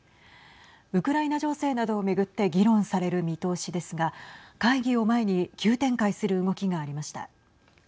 ウクライナ情勢などを巡って議論される見通しですが会議を前に急展開する動きがありました。